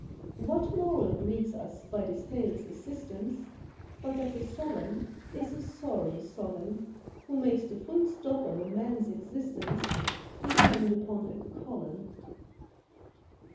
What moral greets us by this tale's assistance But that the Solon is a sorry Solon, Who makes the full stop of a Man's existence Depend upon a Colon?